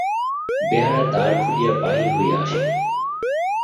বেহারা দ্বার খুলিয়া বাহির হইয়া আসিল।